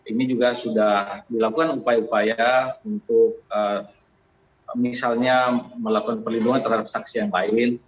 ini juga sudah dilakukan upaya upaya untuk misalnya melakukan perlindungan terhadap saksi yang lain